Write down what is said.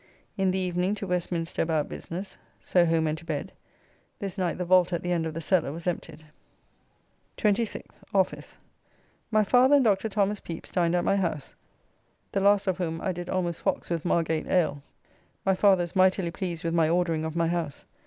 In the evening to Westminster about business. So home and to bed. This night the vault at the end of the cellar was emptied. 26th. Office. My father and Dr. Thomas Pepys dined at my house, the last of whom I did almost fox with Margate ale. My father is mightily pleased with my ordering of my house.